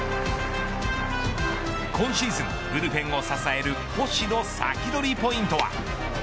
今シーズン、ブルペンを支える星のサキドリポイントは。